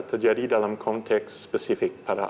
terjadi dalam konteks spesifik